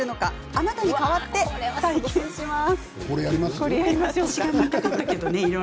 あなたに代わって体験します。